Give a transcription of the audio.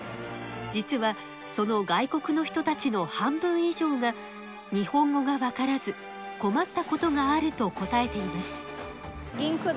じつはその外国の人たちの半分いじょうが日本語がわからず困ったことがあると答えています